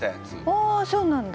ああそうなんだ。